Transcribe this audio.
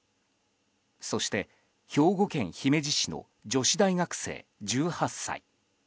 そして兵庫県姫路市の女子大学生１８歳。